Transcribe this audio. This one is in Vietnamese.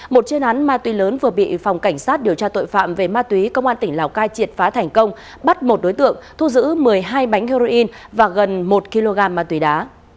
một chuyên án ma túy lớn vừa bị phòng cảnh sát điều tra tội phạm về ma túy công an tỉnh lào cai triệt phá thành công bắt một đối tượng thu giữ một mươi hai bánh heroin và gần một kg ma túy đá